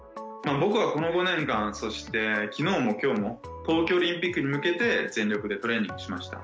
僕はこの５年間、そして、きのうもきょうも、東京オリンピックに向けて全力でトレーニングしました。